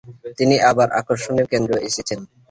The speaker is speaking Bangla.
তিনি আবার আকর্ষণের কেন্দ্রে এসেছেন।